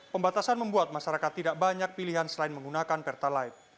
pembatasan membuat masyarakat tidak banyak pilihan selain menggunakan pertalite